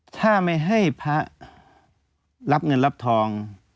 ถ้าไม่ให้พระรับเงินรับทอง